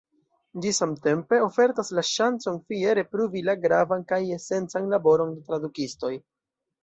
Ĝi samtempe ofertas la ŝancon fiere pruvi la gravan kaj esencan laboron de tradukistoj.